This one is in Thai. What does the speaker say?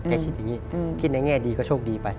คิดอย่างนี้คิดในแง่ดีก็โชคดีไป